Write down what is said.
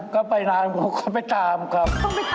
ก็ไปนานเขาก็ไปตามครับ